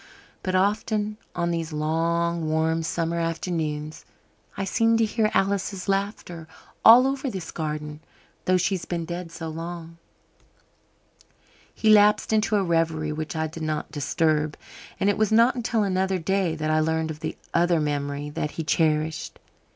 But often, on these long warm summer afternoons, I seem to hear Alice's laughter all over this garden; though she's been dead so long." He lapsed into a reverie which I did not disturb, and it was not until another day that I learned of the other memory that he cherished.